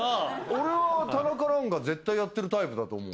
俺はタナカなんか絶対やってるタイプだと思う。